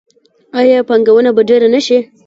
آیا پانګونه به ډیره نشي؟